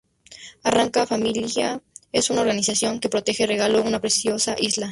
Arcana Famiglia es una organización que protege Regalo, una preciosa isla.